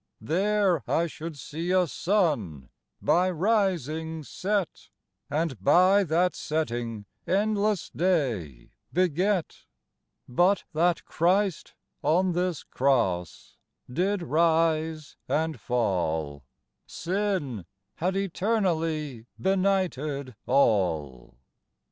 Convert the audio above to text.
There I should see a Sunne, by rising set, And by that setting endlesse day beget; But that Christ on this Crosse, did rise and fall, Sinne had eternally benighted all.